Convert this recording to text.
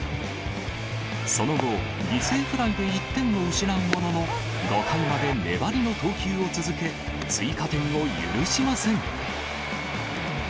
その後、犠牲フライで１点を失うものの、５回まで粘りの投球を続け、追加点を許しません。